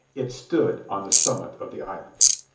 It stood on the summit of the island.